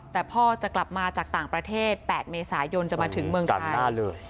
แต่พ่อจะกลับมาจากต่างประเทศ๘เมษายนจะมาถึงเมืองไทยเลย